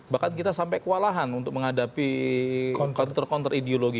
bahkan kita sampai kewalahan untuk menghadapi kontra kontra ideologi